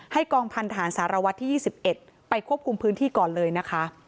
กองพันธารสารวัตรที่๒๑ไปควบคุมพื้นที่ก่อนเลยนะคะ